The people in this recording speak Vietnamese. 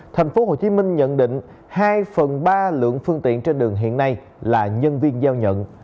tp hcm nhận định hai phần ba lượng phương tiện trên đường hiện nay là nhân viên giao nhận